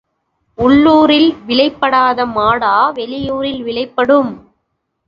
உன்ளூரில் விலைப்படாத மாடா வெளியூரில் விலைப்படும்?